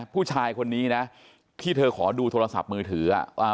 ผู้ชายคนนี้นะที่เธอขอดูโทรศัพท์มือถืออ่ะอ่า